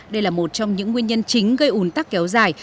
đây là một trong những nguyên nhân chính gây ủn tắc kéo dài